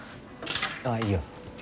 あっいいよ。